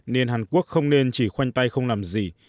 nên hàn quốc không nên chỉ khoanh tay không làm gì